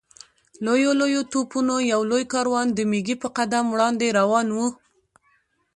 لویو لویو توپونو یو لوی کاروان د مېږي په قدم وړاندې روان و.